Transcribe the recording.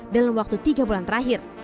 dalam waktu tiga bulan terakhir